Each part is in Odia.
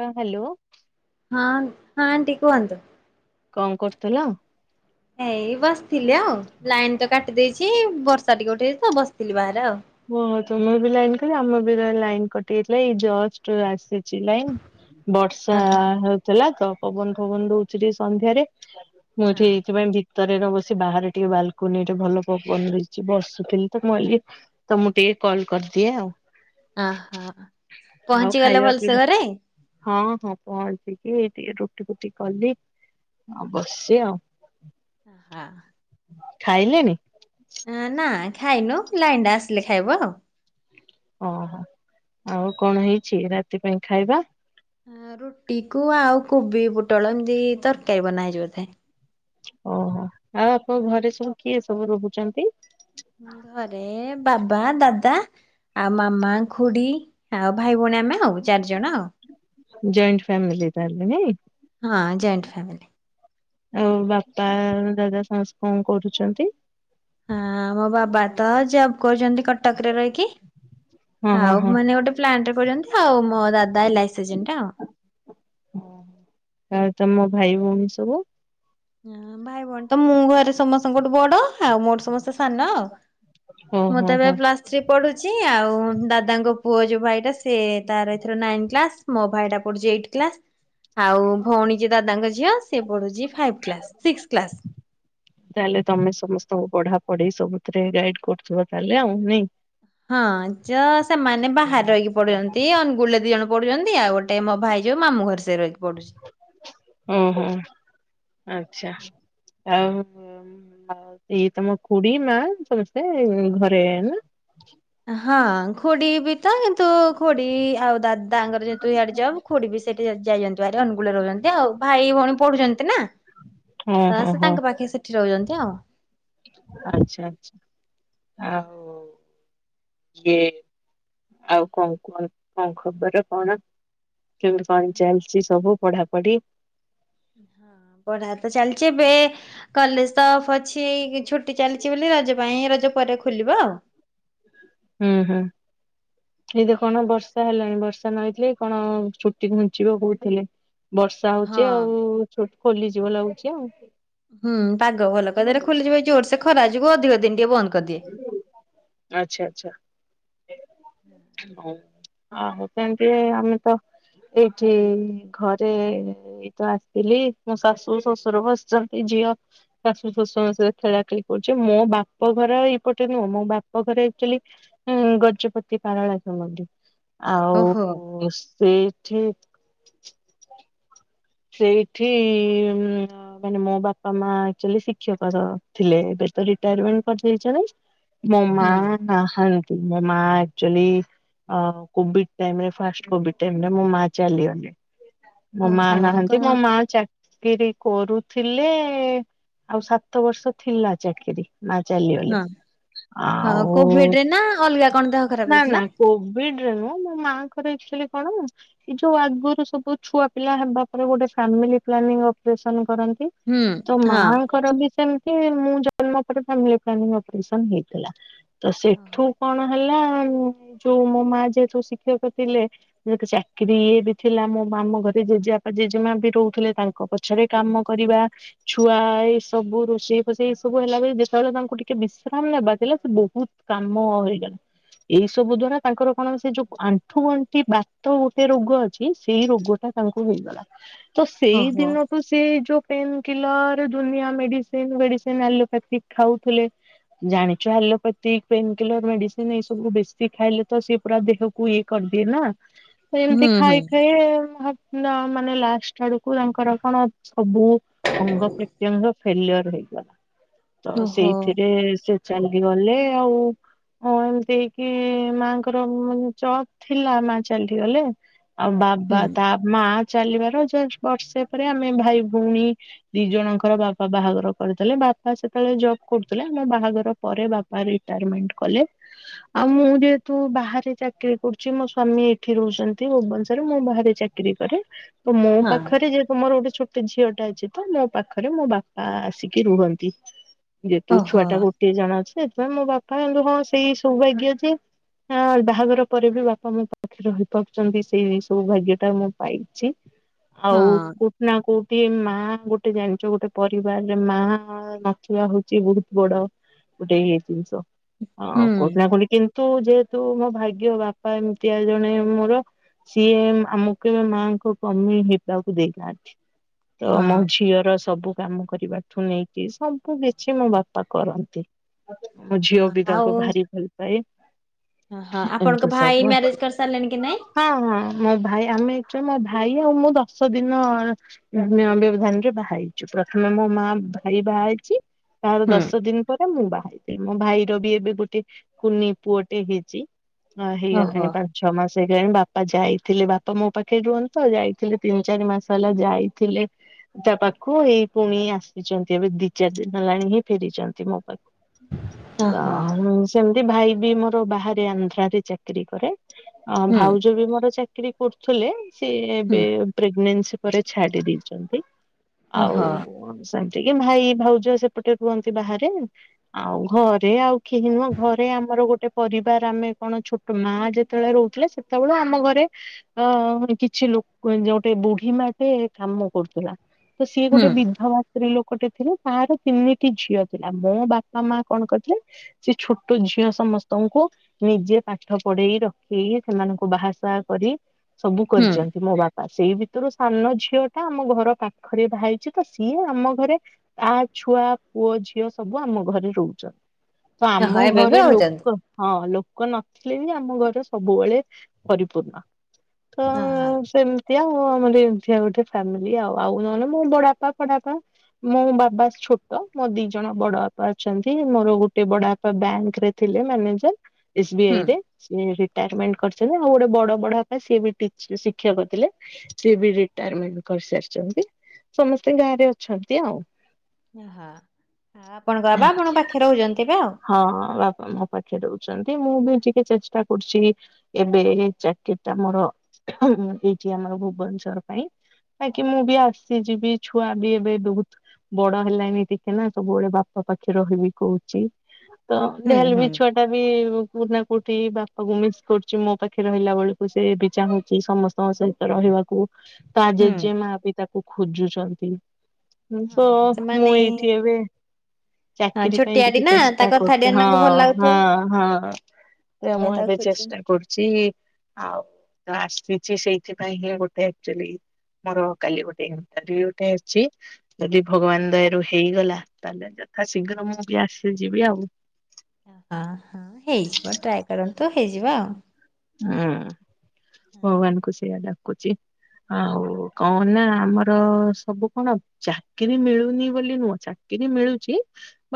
ହଁ ହ୍ୟାଲୋ। ହଁ ହଁ ଆଣ୍ଟି କୁହନ୍ତୁ। କଣ କରୁଥିଲ? ଏଇ ବସିଥିଲି ଆଉ ଲାଇନ୍ ତ କାଟି ଦେଇଛି ବର୍ଷା ଟିକେ ଉଠେଇଛି ତ ବସିଥିଲି ବାହାରେ ଆଉ। ହଁ ତମର ବି ଲାଇନ୍ କହିଲ ଆମର ବି ଲାଇନ୍ କଟି ଯାଇଥିଲା ଏଇ ଜଷ୍ଟ୍ ଆସିଛି ଲାଇନ୍। ବର୍ଷା ଓହୋ ହଉଥିଲା ତ ପବନ ଫବନ ଦଉଛି ଟିକେ ସନ୍ଧ୍ୟାରେ। ମୁଁ ଏଠି ଏଇଥିପାଇଁ ଭିତରେ ରହୁଚି ବାହାରେ ଟିକେ ବାଲକୁନି ରେ ଭଲ ପବନ ଦେଇଛି ବସୁଥିଲି ତ ମୁଁ ତ ମୁଁ ଟିକେ କଲ୍ କରିଦିଏ ଆଉ। ଓ ହୋ ଆଉ ପହଞ୍ଚିଗଲେ ଖାଇବା ଭଲସେ ପିଇବା ଘରେ। ହଁ ହଁ ପହଞ୍ଚିକି ଟିକେ ରୁଟି ଫୁଟି କଲି ଆଉ ବସିଚି ଆଉ। ହଁ। ଖାଇଲେଣି? ନା ନା ଖାଇନୁ ଲାଇନ୍ ଟା ଆସିଲେ ଖାଇବୁ ଆଉ। ଓ ହୋ ଆଉ କଣ ହେଇଛି ରାତି ପାଇଁ ଖାଇବା? ରୁଟି କୁ ଆଉ କୋବି ପୋଟଳ ଏମିତି ତରକାରୀ ବନା ହେଇଛି ବୋଧେ। ଓ ହୋ ଆଉ ଆପଣ ଘରେ ସବୁ କିଏ ସବୁ ରହୁଛନ୍ତି? ଘରେ ବାବା, ଦାଦା। ଆଉ ମାମା, ଖୁଡ଼ୀ, ଆଉ ଭାଇ, ଭଉଣୀ ଆମେ ଆଉ ଚାରିଜଣ ଆଉ। ଜଏଣ୍ଟ ଫ୍ୟାମିଲି ତାହେଲେ ନାଇଁ। ହଁ ଜଏଣ୍ଟ ଫ୍ୟାମିଲି। ଆଉ ବାପା, ଦାଦା ସମସ୍ତେ କଣ କରୁଛନ୍ତି? ହଁ ମୋ ବାବା ତ ଜବ କରୁଛନ୍ତି କଟକ ରେ ରହିକି ହଁ ହଁ ଆଉ ହଁ ମାନେ ଗୋଟେ ପ୍ଲାଣ୍ଟ୍ ଟେ କରିଛନ୍ତି ଆଉ ମୋ ଦାଦା ଏଲାଇସି ଏଜେଣ୍ଟ ଆଉ। ଆଉ ତମ ଭାଇ ଭଉଣୀ ସବୁ? ହଁ ଭାଇ ଭଉଣୀ ତ ମୁଁ ଘରେ ସମସ୍ତ ଙ୍କ ଠୁ ବଡ଼ ଆଉ ମୋ ଠୁ ସମସ୍ତେ ସାନ ଆଉ। ହଁ ମୁଁ ହଁ ତେ ଏବେ ହଁ। ପ୍ଲସ ଥ୍ରୀ ପଢୁଛି ଆଉ ଦାଦାଙ୍କ ପୁଅ ଯୋଉ ଭାଇ ଟା ସେ ତାର ଏଥର ନାଇନ୍ କ୍ଲାସ୍ ମୋ ଭାଇ ଟା ପଢୁଛି ଏଇଟି କ୍ଲାସ୍। ଆଉ ଭଉଣୀ ଯେ ଦାଦାଙ୍କ ଝିଅ ସେ ପଢୁଛି ଫାଇଭ୍ କ୍ଲାସ ସିକ୍ସ କ୍ଲାସ୍। ତାହେଲେ ତମେ ସମସ୍ତଙ୍କୁ ପଢ଼ା ପଢ଼ି ସବୁଥିରେ ଗାଇଡି଼ କରୁଥିବ ତାହେଲେ ଆଉ ନାଇଁ। ହଁ ଯ ସେମାନେ ବାହାରେ ରହିକି ପଢୁଛନ୍ତି ଅନୁଗୁଳ ରେ ଦି ଜଣ ପଡୁଛନ୍ତି ଆଉ ଗୋଟେ ମୋ ଭାଇ ଯୋଉ ମାମୁଁ ଘରେ। [unintelligible] ପଢ଼ୁଛି। ଓ ହୋ ଆଚ୍ଛା ଆଉ। ଆ ଇଏ ତମ ଖୁଡି ମା ସମସ୍ତେ ଘରେ ନା ହଁ ଖୁଡି ବି ତ କିନ୍ତୁ ଖୁଡି ଆଉ ଦା ତାଙ୍କର ଯେହେତୁ ଇଆଡେ ଜବ୍ ଖୁଡି ବି ସେଠି ଯାଇଚନ୍ତି ଭାର ଅନୁଗୁଳରେ ରହୁଚନ୍ତି ଆଉ ଭାଇ ଭଉଣୀ ପଢୁଛନ୍ତି ନା। ହଁ ତ ହଁ ସେ ତାଙ୍କ ପାଖେ ସେଠି ରହୁଚନ୍ତି ଆଉ। ଆଛା ଆଛା ଆଉ। ଇଏ ଆଉ କଣ କୁହ କଣ କଣ ଖବର କଣ? କେମିତି କଣ ଚାଲିଚି ସବୁ ପଢାପଢି। ହଁ ପଢା ତ ଚାଲିଚି ଏବେ କଲେଜ ତ ଅଫ ଅଛି ଏ ଛୁଟି ଚାଲିଚି ବୋଲି ରଜ ପାଇଁ ରଜ ପରେ ଖୋଲିବ ଆଉ। ହୁଁ ହୁଁ ଏଇଟି କଣ ବର୍ଷା ହେଲାଣି ବର୍ଷ ନ ହେଇଥିଲେ କଣ ଛୁଟି ଘୁଞ୍ଚିବ କହୁଥିଲେ ବର୍ଷା ହଁ ହଉଚି ଆଉ। ଛୁଟି ଖୋଲିଯିବ ଲାଗୁଚି ଆଉ। ହୁଁ ପାଗ ଭଲ କରିଦେଲେ ଖୋଲିଯିବ ଏ ଜୋର ସେ ଖରା ଯୋଗୁ ଅଧିକ ଦିନି ଟିକେ ବନ୍ଦ କରିଦିଏ। ଆଚ୍ଛା ଆଚ୍ଛା ହଉ। ହ ସେମିତି ଆମେ ତ ଏଇଠି ଘରେ ଏଇ ତ ଆସିଲି ମୋ ଶାଶୁ ଶ୍ୱଶୁର ବସିଛନ୍ତି ଝିଅ ଶାଶୁ ଶ୍ୱଶୁରଙ୍କ ସହିତ ଖେଳା ଖେଳି କରୁଚି ମୋ ବା ବାପ ଘର ଏଇପଟେ ନୁହଁ ମୋ ବାପ ଘର ଆକଚୁଆଲି ଗଜପତି ପାରଳା ଖେମୁଣ୍ଡି। ଓହୋ ଆଉ ସେଇଠି ସେଇଠି ଉଂ ମାନେ ମୋ ବାପା ମା ଆଚୁଏର୍ଲି ଶିକ୍ଷକ ଥିଲେ ଏବେ ତ ରିଟା ଟମେଣ୍ଟ କରିଦେଇ [unintelligible] ମୋ ମା ହୁଁ ନାହାନ୍ତି ମୋ ମା ଆକ୍ଚୁଆଲି କୋଭିଡ ଟାଇମିରେ ଫାଷ୍ଟ କୋଭିଡ ଟାଇମିରେ ମୋ ମା ଚାଲିିଗଲେ। ମୋ ମା ଓହୋ ନାହାନ୍ତି କଣ ମୋ ମା ମା ଚାକିରି କରୁଥିଲେ ଆଉ ସାତ ବର୍ଷ ଥିଲା ଚାକିରି। ମା ଚାଲିଗଲେ ହଁ ହଁ ଆଉ କୋଭିଡ ରେ ନା ଅଲଗା କଣ ଦେହ ଖରାପ ନା ହେଇଥିଲା? ନା। କୋଭିଡ ରେ ନୁହଁ ମୋ ମାଆଙ୍କର ଆଚୁଏଲି କଣ [unintelligible] ଯୋଉ ଆଗରୁ ସବୁ ଛୁଆ ପିଲା ହେବା ଆଗୁରୁ ଗୋଟେ ଫାମିଲି ପ୍ଲାନିଂ ଅପରେସନ କରନ୍ତି ହୁଁ ତ ହଁ। ମାଙ୍କର ବି ସେମି ଏ ମୁଁ ଜନ୍ମ ପରେ ଫାମିଲ ପ୍ଲାନିଂ ଅପରେସନ ହେଇଥିଲା ତ ଓହୋ। ସେଠୁ କଣ ହେଲା ଯୋଉ ମୋ ମା ଯେହେତୁ ଶିକ୍ଷକ ଥିଲେ। ଏଠୁ ଚାକିରି ଇଏ ବି ଥିଲା ମୋ ମାମୁ ଘରେ ଜେଜ ଜେଜେମା ବି ରହୁଥିଲେ ତାଙ୍କ ପଛରେ କାମ କରିବା। ଛୁଆ ଏଇ ସବୁ ରୋଷେଇ ଫୋଷେଇ ଏଇ ସବୁ ହେଲାବେଳେ ଯେତେବେଳେ ତାଙ୍କୁ ଟିକେ ବିଶ୍ରାମ ନେବା ଥିଲା ସେ ବହୁ କାମ ହେରିକା ଏଇ ସବୁ ଦ୍ଵାରା ତାଙ୍କର କଣ ସେ ଯୋଉ ଆଣ୍ଠୁ ଗଣ୍ଠି ବାତ ଗୋଟେ ରୋଗ ଅଛି ସେଇ ରୋଗଟା ତାଙ୍କୁ ହେଇଗଲା ତ ସେଇ ଓହୋ ଦିନ ସେ ଯୋଉ ପେନ୍‌ କିଲର ଦୁନିଆ ମେଡିସିନ୍ ଫେଡ଼ିସିନ୍ ଆଲୋ ପାତିକି ଖାଉଥିଲେ। ଜାଣିଚ ଆଲପାତିକ ପେନ କିଲର ମେଡିସିନ ଏଇ ସବୁ ବେଶୀ ଖାଇଲେ ତ ସିଏ ପୁରା ଦେହକ କୁ ଇଏ କରିଦିଏ ନା। ଏମତି ହୁଁ ହୁଁ ଖାଇ ଖାଇ [unintelligible] ମାନେ ଲାଷ୍ଟ ଆଡକୁ ତାଙ୍କର କଣ ସବୁ ଅଙ୍ଗ ପ୍ରତ୍ୟଙ୍ଗ ଫେଲିୟର ହେଇଗଲା ତ ଓହୋ ସେଇଥିରେ ସେ ଚାଲି ଗଲେ ଆଉ। ହଁ ଏମିତି ହେଇକି ମାଙ୍କର ଚପ ଥିଲା ମା ଚାଲି ଗଲେ। ଆଉ ବାବା ହୁଁ ତା ମା ଚାଲିବାର ଜଷ୍ଟ ବର୍ଷେ ପରେ ଆମେ ଭାଇ ଭଉଣୀ ଦି ଜଣଙ୍କର ବାପା ବାହାଘର କରିଦେଲେ ବାପା ସେତେବେଳେ ଜବ୍ କରୁଥିଲେ ଆମ ବାହାଘର ପରେ ବା ରିଟାୟାରମେଣ୍ଟ୍ କଲେ। ଆଉ ମୁଁ ଯେହେତୁ ବାହାରେ ଚାକିରି କରୁଚି ମୋ ସ୍ଵାମୀ ଏଇଠି ରହୁଚନ୍ତି ଭୁବନେଶ୍ୱରରେ ମୁଁ ବାହାରେ ଚାକ୍ କିରି କରେ ତ ମୋ ହଁ ପାଖେରେ ଯେହେତୁ ମର ଗୋଟେ ଛୋଟ୍ ମୋତେ ଝିଅ ଟେ ଅଛି ତ ମୋ ପାଖରେ ମୋ ବାପା ଆସିକି ରୁହନ୍ତି ଯେହେତୁ ଓହୋ। ଛୁଆଟା ଗୋ କିଏ ଜଣେ ଅଛି ସେଥିପାଇଁ ମୋ ବାପା କିନ୍ତୁ ହଁ ସେଇ ସୌଭାଗ୍ୟ ଯେ ହଁ- ବାହାଘର ପରେ ବି ବାପା ମୋ ପାଖରେ ରହିପାରୁଚନ୍ତି ସେଇ ସବୁ ସୌଭାଗ୍ୟ ଟା ମୁଁ ପାଇ ଚି ଆଉ ହଁ କୁ ନା କଉଠି ମା ଗୋଟେ ଜାଣିଚୁ ଗୋଟେ ପରିବାରରେ ମା ନଥିବା ହଉଚି ବହୁତ୍ ବଡ ଗୋଟେ ଇଏ ଜିନିଷ ହୁଁ ଆଉ କଉଠି ନା କଉଠି କିନ୍ତ୍ କିନ୍ତୁ ଯେହେତୁ ମୋ ଭାଗ୍ୟ ବାପା ଏମିତିଆ ଜଣେ ମୋର ସିଏ ଆମକୁ [unintelligible] ମା ଙ୍କୁ କମି ହେବାକୁ ଦେଇଥାନ୍ତି ତ ହଁ ମୋ ଝିଅର ସବୁ କାମ କରିବା ଠୁ ନେଇକି ସବୁ କିଛି ମୋ ବାପା କରନ୍ତି। ମୋ ଝିଅ ହଁ ବି ଆଉ ତାଙ୍କୁ ଭାରି ଭଲ ପାଏ। ଓହୋ ଏମିତି ଆପଣଙ୍କ ଭାଇ ସବୁ ମ୍ୟାରେଜ୍ କରିସାରିଲେଣି କି ନାଇଁ? ହଁ- ହଁ ମୋ ଭାଇ ଆମେ [unintelligible] ମୋ ଭାଇ ଆଉ ମୁଁ ଦଶ ଦିନ [unintelligible] ବ୍ୟବଧାନ ରେ ବାହା ହେଇଚୁ ପ୍ରଥମେ ମୋ- ମା- ଭାଇ ବାହା ହେଇଚି ତାର ହୁଁ ଦଶ ଦିନି ପରେ ମୁଁ ବାହା ହେଇଥିଲି ମୋ ଭାଇର ବି ଏବେ ଗୋଟେ କୁନି ପୁଅଟେ ହେଇଚି। ହଁ ଓହୋ ହେଇଗଲାଣି ପାଞ୍ଚ ଛଅ ମାସ ହେଇଗଲାଣି ବାପା ଯାଇଥିଲେ ବାପା ମୋ ପାଖେରେ ରୁହନ୍ତ୍ ତ ଯାଇଥିଲେ ତିନି ଚାରି ମାସ ହେଲା ଯାଇଥିଲେ ତା ପାଖକୁ ଏଇ ପୁଣି ଆସିଚନ୍ତି ଏବେ ଦି ଚାରି ଦିନ ହେଲାଣି ହିଁ ଫେରିଚନ୍ତି ମୋ ପାଖକୁ। ତ ଓହୋ ସେମିତି ଭାଇ ବି ମୋର ବାହାରେ ଆନ୍ଧ୍ରାରେ ଚାକିରି କରେ ଅ- ହୁଁ ଭାଉଜ ବି ମୋର ଚାକିରି କରୁଥିଲେ ସିଏ ହୁଁ ଏବେ ପ୍ରେଗନେନ୍ସି ପରେ ଛାଡି ଦେଇଚନ୍ତି ଆଉ ଓହୋ [unintelligible] ଟିକେ ଭାଇ ଭାଉଜ ସେପଟେ ରୁହନ୍ତି ବାହାରେ ଆଉ ଘରେ ଆଉ କେହି ନୁହଁ ଘରେ ଆମର ଗୋଟେ ପରିବାର ଆମେ କଣ ଛୋଟ୍ ମା ଯେତେବେଳେ ରହୁଥିଲେ ସେତେବେଳେ ଆମ ଘରେ ଅ କିଛି ଲୋକ ଗୋଟେ ବୁଢୀ ମା ଟେ କାମ କରୁଥିଲା ତ ସିଏ ହୁଁ ଗୋଟେ ବିଧବା ସ୍ତ୍ରୀ ଲୋକଟେ ଥିଲେ ତାର ତିନିଟି ଝିଅ ଥିଲା ମୋ ବାପା ମା କଣ କରିଥିଲେ ସେ ଛୋଟ ଝିଅ ସମସ୍ତଙ୍କୁ ନିଜେ ପାଠ ପଢେଇ ରଖେଇ ସେମାନଙ୍କୁ ବାହାସାହା କରି ସବୁ ହୁଁ। କରିଚନ୍ତି ମୋ ବାପ୍ ପା ସେଇ ଭିତରୁ ସାନ ଝିଅ ଟା ଆମ ଘର ପାଖରେ ବାହା ହେଇଚି ତ ସିଏ ଆମ ଘରେ ଆ ତା ଛୁଆ ପୁଅ ଝିଅ ସବୁ ଆମ ଘରେ ରହୁଚନ୍ତି। ତ ଓହୋ ଆମ ଏବେ ବି ଘରେ ରହୁଛନ୍ତି ଲୋକ ହଁ ଲୋକ ନଥିଲେ ବି ଆମ ଘର ସବୁବେଳେ ପରିପୂର୍ଣ୍ଣ। ତ [unintelligible] ସେମିତି ଆଉ ଆମର ଏମିତିଆ ଗୋଟେ ଫ୍ୟାମିଲି ଆଉ- ଆଉ ନହଲେ ମୋ ବଡବାପା ଫଡବାପା ମୋ ବାବା ଛୋଟ ମୋ ଦି ଜଣ ବଡ ବାପା ଅଛନ୍ତି ମୋର ଗୋଟେ ବଡ ବାପା ବ୍ୟାଙ୍କ୍ ରେ ଥିଲେ ମ୍ୟାନେଜର୍ ଏସ୍ ବି ହୁଁ ଆଇ ରେ ସିଏ ରିଟାୟମେଣ୍ଟ୍ କରିଚନ୍ତି ମୋର ଆଉ ଗୋଟେ ବଡ -ବଡ ବାପା ସିଏ ବି ଟି ସେ ଶିକ୍ଷକ ଥିଲେ ସିଏ ବି ରିଟାୟମେଣ୍ଟ୍ କରିସାରିଚନ୍ତି ସମସ୍ତେ ଗାଁରେ ଅଛନ୍ତି ଆଉ। ଓହୋ ଆପଣଙ୍କ ବାବା ଆପଣଙ୍କ ପାଖରେ ରହୁଚନ୍ତି ତ? ହଁ ବାପା ମୋ ପାଖେ ରହୁଚନ୍ତି ମୁଁ ବି ଟିକେ ଚେଷ୍ଟା କରୁଚି ଏବେ ଏଇ ଚାକିରୀ ଟା ବଡ ଆମର ଏଇଠି ଆମର ଭୁବନେଶ୍ଵର ପାଇଁ। କାହିଁକି ମୁଁ ବି ଆସିଯିବି ଛୁଆ ବି ଏବେ ବହୁତ୍ ବଡ ହେଲାଣିି ଟିକେ ନାଁ ସବୁବେଳେ ବାପା ପାଖରେ ରହିବି କହୁଛି ତ ହୁଁ ଯାହେଲେ ବି ହୁଁ ଛୁଆଁ। ଯାହା ବି କୋଉଁଠି ନାଁ କୋଉଁଠି ବାପାଙ୍କୁ ମିସ୍ କରୁଛି ମୋ ପାଖରେ ରହିଲା ବେଳକୁ ସେ ବି ଚାହୁଁଛି। ସମସ୍ତଙ୍କ ସହିତ ରହିବାକୁ ତା ହୁଁ। ଜେଜେ ମା ବି ତାକୁ ଖୋଜୁଛନ୍ତି। ମୁଁ ତ ହଁ ମୁଁ ସେମାନେ ଏଇଠି ଏବେ ହଁ ଚାକିରି ପାଇଁ ଛୋଟିଆଟି ଟିକେ ନା ତା ଚେଷ୍ଟା କଥା ଟି କରୁଛି। ହଁ ତାଙ୍କୁ ଭଲ ଲାଗୁଥିବ। ହଁ ହଁ। ସେଇୟା ସେଥିପାଇଁ ମୁଁ ତାକୁ ଏବେ ଖୋଜୁଛନ୍ତି। ଚେଷ୍ଟା କରୁଛି ଆଉ ତ ଆସିଛି ସେଇଥିପାଇଁ କାଁ ଗୋଟେ ଆଚ୍ୟୁୟେଲି ମୋର କାଲି ଗୋଟେ ଆଜି ବି ଗୋଟେ ଅଛି ଯଦି ଭଗବାନ ଦୟାରୁ ହେଇଗଲା ତାହେଲେ ଯଥାଶୀଘ୍ର ମୁଁ ବି ଆସି ଯିବି ଆଉ। ହଁ ହଁ ହେଇଯିବ ଟ୍ରାଏ କରନ୍ତୁ ହେଇଯିବ ଆଉ ହଁ ଭଗବାନଙ୍କୁ ସେଇୟା ଡାକୁଛି। ଆଉ କଣ ନାଁ ଆମର ସବୁ କଣ ଚାକିରୀ ମିଳୁନି ବୋଲି ନୁହଁ ଚାକିରି ମିଳୁଛି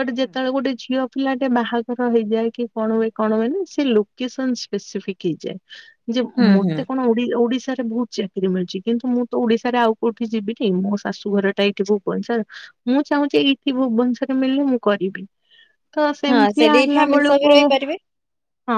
ବଟ ହୁଁ। ଯେତେବେଳେ ଗୋଟେ ଝିଅ ପିଲାଟେ ବାହାଘର ହେଇଯାଏ କି କଣ ହୁଏ କଣ ହୁଏ ନାଁ ସେ ଲୋକେସନ ସ୍ପେସିଫିକ ହେଇଯାଏ। ଯେ ହୁଁ ହୁଁ ମୋତେ କଣ ଓଡି ଓଡିଶାରେ ବହୁତ ଚାକିରି ମିଳୁଛି। କିନ୍ତୁ ମୁଁ ତ ଓଡିଶାରେ ଆଉ କୋଉଁଠି ଯିବିନି ମୋ ଶାଶୁ ଘରଟା ଏଇଠି ଭୁବନେଶ୍ୱର। ମୁଁ ଚାହୁଁଛି ଏଇଠି ଭୁବନେଶ୍ଵରରେ ମିଳିଲେ ମୁଁ କରିବି। ତ ହଁ ସେମିତିଆ ସେଇଠି ହେଲା ଫ୍ୟାମିଲି ସହ ବି ବେଳକୁ ରହିପାରିବେ ହଁ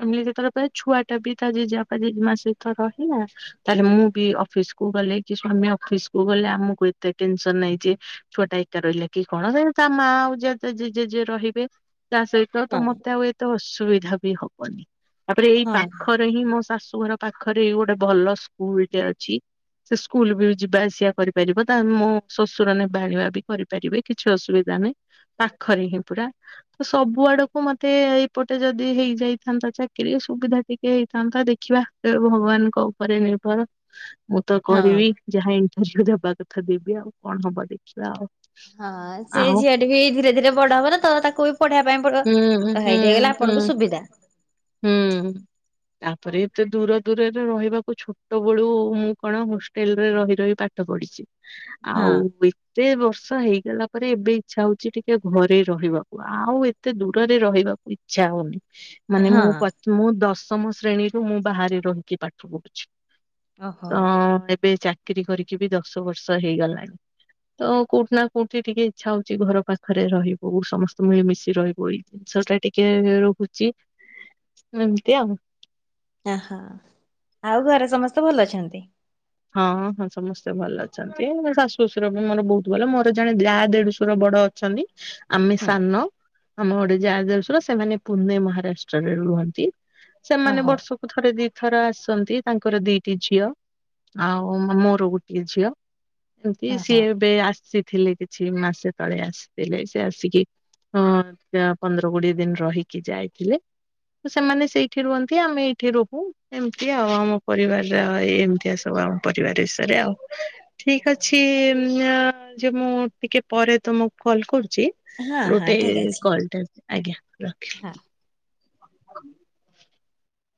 ତମେ ଯେତେବଳେ ତା ଛୁଆ ଟା ବି ତା ଜେଜେପା ଜେଜେମା ସହିତ ରହିଲା। ତାହେଲେ ମୁଁ ବି ଅଫିସ କୁ ଗଲେ କି ସ୍ଵାମୀ ଅଫିସ କୁ ଗଲେ ଆମକୁ ଏତେ ଟେନସନ ନାହିଁ। ଯେ ଛୁଆଟା ଏକା ରହିଲା କି କଣ? ସେ ତା ମା ଆଉ ଜେଜେ ଜେଜେମା ଯିଏ ରହିବେ ତା ସହିତ ହଁ ତ ମୋତେ ଆଉ ଏତେ ଅସୁବିଧା ବି ହବନି। ତାପରେ ଏଇ ହଁ ପାଖରେ ହିଁ ମୋ ଶାଶୁଘର ପାଖରେ ଏଇ ଗୋଟେ ଭଲ ସ୍କୁଲଟେ ଅଛି। ସେ ସ୍କୁଲ ବି ଯିବା ଆସିବା କରିପାରିବ ତା ମୋ ଶ୍ୱଶୁର ନେବା ଆଣିବା ବି କରିପାର ପାରିବେ କିଛି ଅସୁବିଧା ନାହିଁ ପାଖରେ ହିଁ ପୁରା ତ ସବୁ ଆଡକୁ ମୋତେ ଏପଟେ ଯଦି ହେଇଯାଇଥାନ୍ତା ଚାକିରୀ। କିରୀ ସୁବିଧା ଟିକେ ହେଇଥାନ୍ତା। ଦେଖିବା ଯାହା ଭଗବାନଙ୍କ ଉପରେ ନିର୍ଭର। ମୁଁ ତ ହଁ। କରିବି ଯାହା ଇନଣ୍ଟସିଭି ଦେବା କଥା ଦେବି ଆଉ କଣ ହବ ଦେଖିବା? ଆଉ। ହାଁ ସେ ଆଉ ଝିଅଟି ବି ଧୀରେ ଧୀରେ ବଡ ହବ ନାଁ ତ ତାକୁ ବି ପଢେଇବା ପାଇଁ ପଡିବ। ହୁଁ ହୁଁ କ ହେଁଇଠି ହେଇଗଲେ ହୁଁ ଆପଣଙ୍କୁ ସୁବିଧା। ହୁଁ। ତାପରେ ଏତେ ଦୂର ଦୂରରେ ରହିବାକୁ ଛୋଟ ବେଳୁ ମୁଁ କଣ ହଷ୍ଟେଲରେ ରହି ରହି ପାଠ ପଢିଛି ହଁ ଆଉଁ ବି ଏତେ ବର୍ଷ ହେଇଗଲା ପରେ ଏବେ ଇଚ୍ଛା ହଉଛି ଟିକେ ଘରେ ରହିବାକୁ ଆଉଁ ଏତେ ଏତେ ଦୂରରେ ରହିବାକୁ ଇଚ୍ଛା ହଉନି। ମାନେ ମୁଁ ହଁ ପ୍ରଥମ ରୁ ମୁଁ ଦଶମ ଶ୍ରେଣୀରୁ ମୁଁ ବାହାରେ ରହିକି ପାଠ ପଢ଼ୁଛି। ଓହୋ। ତ ଏବେ ଚାକିରି କରିକି ବି ଦଶ ବର୍ଷ ହେଇଗଲାଣି। ତ କୋଉଁଠି ନାଁ କୋଉଁଠି ଟିକେ ଇଚ୍ଛା ହଉଛି ଘର ପାଖରେ ରହିବୁ ସମସ୍ତଙ୍କ ସହ ମିଳି ମିଶି ରହିବୁ ଏଇ ଜିନିଷ ଟା ଟିକେ ରହୁଛି। ଏମିତି ଆଉ। ଏଁ ହୋ ଆଉ ଘରେ ସମସ୍ତେ ଭଲ ଅଛନ୍ତି? ହଁ ହଁ ହଁ ସମସ୍ତେ ଭଲ ଅଛନ୍ତି ମୋ ଶାଶୁ ଶ୍ୱଶୁର ବି ମୋର ବହୁତ ଭଲ ମୋର ଜଣେ ଯା ଦେଢଶୁର ବଡଅ ଅଛନ୍ତି। ଆମେ ହୁଁ। ସାନ ଆମ ଘରେ ଯା ଦେଢଶୁର ସେମାନେ ପୁନେ ମହାରାଷ୍ଟ୍ରରେ ରୁହନ୍ତି। ସେମାନେ ଓହୋ ବର୍ଷକୁ ଥରେ ଦିଥର ଆସନ୍ତି ତାଙ୍କର ଦିଟି ଝିଅ। ଆଉ ମୋର ଗୋଟିଏ ଝିଅ ଏମତି ଓହୋ ସିଏ ଏବେ ଆସିଥିଲେ କି କିଛି ମାସେ ତଳେ ଆସିଥିଲେ ସେ ଆସିକି ହଁ ପନ୍ଦର କୋଡିଏ ଦିନ ରହିକି ଯାଇଥିଲେ। ସେମାନେ ସେଇଠି ରୁହନ୍ତି ଆମେ ଏଇଠି ରହୁ ଏମିତି ଆଉ ଆମ ପରିବାରର ଏମିତି ଆସ- ସବୁ ଆମ ପରିବାର ବିଷୟରେ ଆଉ ଠିକ ଅଛି। ଯେ ମୁଁ ଟିକେ ପରେ ତମକୁ କଲ୍ କରୁଛି। ହଁ ହଁ ଗୋଟେ ଠିକ ଅଛି କଲଟା ଆଜ୍ଞା ହଁ। ରଖିଲି।